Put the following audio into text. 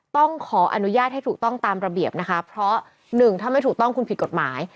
ต้องขออนุญาตให้ถูกต้องตามระเบียบนะคะเพราะหนึ่งถ้าไม่ถูกต้องคุณผิดกฎหมาย